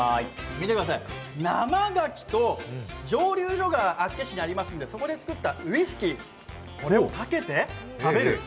見てください、生牡蠣と蒸留所が厚岸にありますのでそこで作ったウイスキーをかけて食べる。